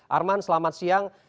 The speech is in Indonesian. arman selamat siang